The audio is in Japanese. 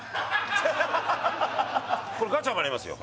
これガチャもありますよ